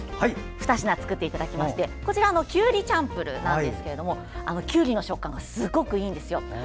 ２品作っていただきましてきゅうりチャンプルーなんですがきゅうりの食感がすごくいいんですよ。